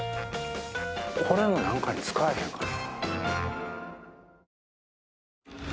これも何かに使えへんかな。